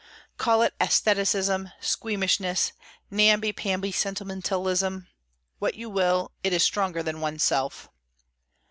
Call it aestheticism, squeamishness, namby pamby sentimentalism, what you will it is stronger than oneself!